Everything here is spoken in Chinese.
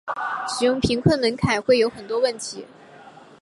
使用贫穷门槛会有很多问题。